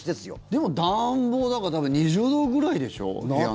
でも、暖房だから多分２０度ぐらいでしょ、部屋。